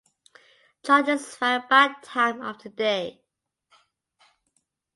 Charges vary by time of the day.